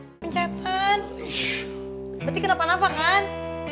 hai pencetan beti kenapa napa kan